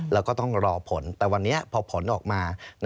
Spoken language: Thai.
แล้วก็ต้องรอผลแต่วันนี้พอผลออกมา